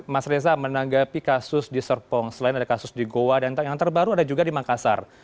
mas reza menanggapi kasus di serpong selain ada kasus di goa dan yang terbaru ada juga di makassar